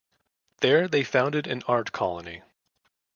There they founded an art colony.